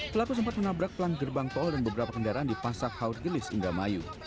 pelaku sempat menabrak pelang gerbang tol dan beberapa kendaraan di pasak haurgelis indramayu